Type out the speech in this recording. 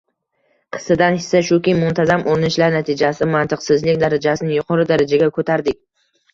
«Qissadan hissa» shuki, muntazam urinishlar natijasida mantiqsizlik darajasini yuqori darajaga ko‘tardik –